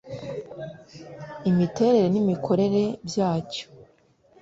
imiterere n imikorere byacyo